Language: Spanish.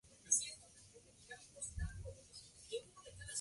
Tras esto, se ha creado una descripción de color idealizada del dispositivo.